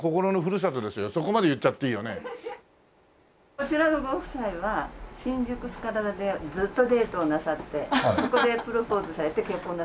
こちらのご夫妻は新宿スカラ座でずっとデートをなさってそこでプロポーズされて結婚なさった。